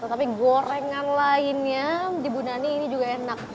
tapi gorengan lainnya di bunani ini juga enak